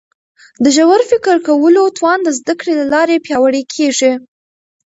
د ژور فکر کولو توان د زده کړي له لارې پیاوړی کیږي.